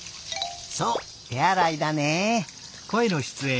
そうてあらいだね。